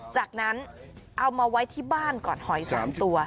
จากนั้นเอามาไว้ที่บ้านก่อนหอย๓ตัว